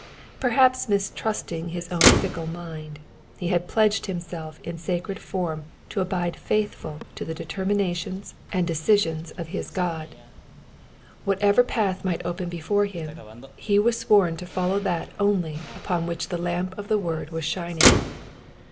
Perhaps mistrusting his own fickle mind, he had pledged himself in sacred form to abide faithful to the determinations and decisions of his Digitized by VjOOQIC 244 EXPOSITIOKS OF THE PSALMS. God. Whatever path might open before him, he was sworn to follow that only upon which the lamp of the word was shining.